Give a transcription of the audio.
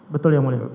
betul yang mulia